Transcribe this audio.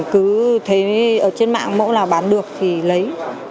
cứ thấy ở trên mạng mẫu nào bán được thì lấy